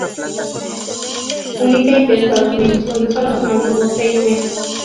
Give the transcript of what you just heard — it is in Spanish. United de Estados Unidos, donde solo se mantuvo seis meses.